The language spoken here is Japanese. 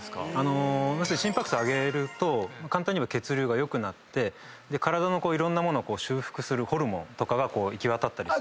心拍数上げると簡単に言えば血流が良くなって体のいろんな物を修復するホルモンとかが行き渡ったりする。